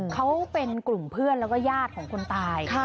เขาเป็นกลุ่มเพื่อนแล้วก็ญาติของคนตาย